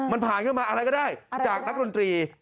มันผ่านเข้ามาอะไรก็ได้จากนักดนตรี